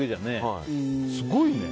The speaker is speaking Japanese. すごいね。